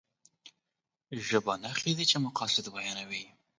ژبه نښې دي چې مقاصد بيانوي.